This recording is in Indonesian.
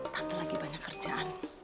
tante lagi banyak kerjaan